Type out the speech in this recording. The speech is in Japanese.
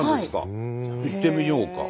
行ってみようか。